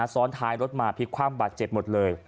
ซ้อนท้ายรถมาพลิกความบาดเจ็บหมดเลย